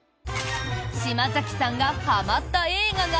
島崎さんがはまった映画が。